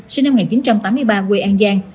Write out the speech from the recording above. sinh năm một nghìn chín trăm tám mươi ba quê an giang